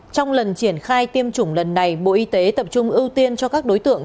trong lần triển khai tiêm chủng lần này bộ y tế tập trung ưu tiên cho các đối tượng